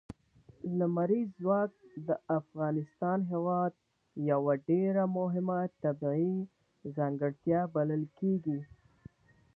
لمریز ځواک د افغانستان هېواد یوه ډېره مهمه طبیعي ځانګړتیا بلل کېږي.